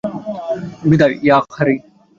বিদায়, ইয়াকারি।